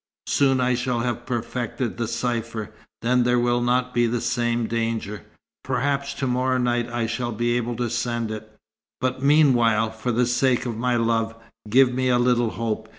Soon I shall have perfected the cypher. Then there will not be the same danger. Perhaps to morrow night I shall be able to send it. But meanwhile, for the sake of my love, give me a little hope.